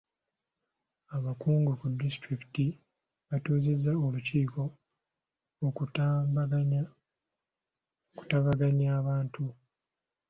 Abakungu ku disitulikiti batuuzizza olukiiko okutabaganya abantu.